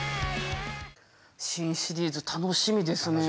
新シリーズ楽しみですね。